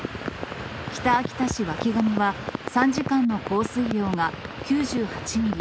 北秋田市脇神は３時間の降水量が９８ミリ。